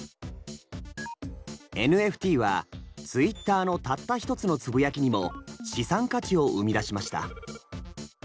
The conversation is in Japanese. ＮＦＴはツイッターのたった一つのつぶやきにも資産価値を生み出しました。